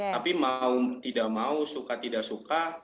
tapi mau tidak mau suka tidak suka